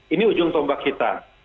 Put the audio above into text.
ini ujung tombak kita